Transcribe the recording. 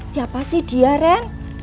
siapa sih dia ren